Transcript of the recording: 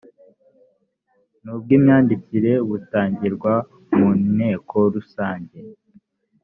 n ubw imyandikire butangirwa mu nteko rusange